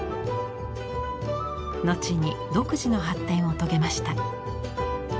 後に独自の発展を遂げました。